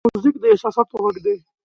موزیک د احساساتو غږ دی.